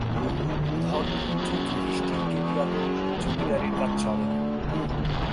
ধর্মপুত্র যুধিষ্ঠিরকে দিয়া তো জমিদারির কাজ চলে না।